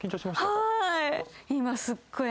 はい！